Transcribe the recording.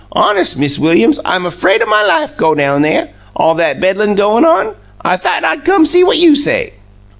Hones', Miz Williams, I'm 'fraid o' my life go down there, all that Bedlun goin' on. I thought I come see what you say."